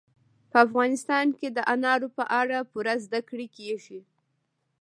په افغانستان کې د انارو په اړه پوره زده کړه کېږي.